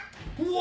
お！